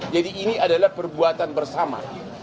jadi ini adalah perbuatan bersama